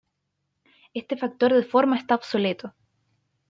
Este factor de forma está obsoleto.